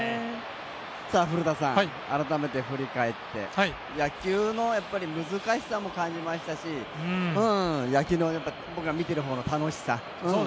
古田さん、改めて振り返って野球の難しさも感じましたし野球の見ているほうの楽しさ。